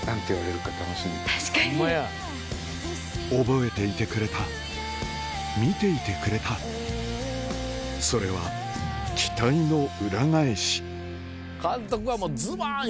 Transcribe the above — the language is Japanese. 覚えていてくれた見ていてくれたそれは期待の裏返し監督はもうズバン！